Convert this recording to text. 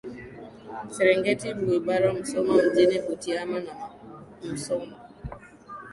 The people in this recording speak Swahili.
Serengeti Mwibara Musoma Mjini Butiama na Musoma